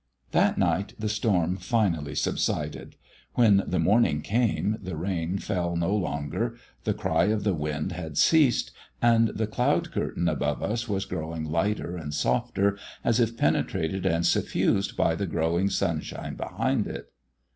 That night the storm finally subsided. When the morning came the rain fell no longer, the cry of the wind had ceased, and the cloud curtain above us was growing lighter and softer as if penetrated and suffused by the growing sunshine behind it.